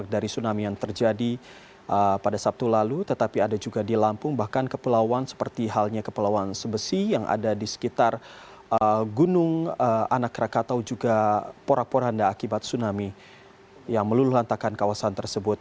dan di gunung anak krakatau juga porak poranda akibat tsunami yang meluluhantakan kawasan tersebut